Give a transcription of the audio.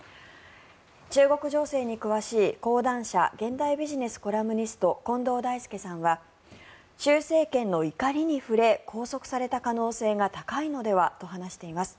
中国情勢に詳しい講談社現代ビジネスコラムニストの近藤大介さんは習政権の怒りに触れ拘束された可能性が高いのではと話しています。